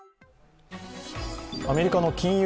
アメリカの金融